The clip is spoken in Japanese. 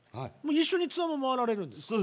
一緒にツアーも回られるんですか？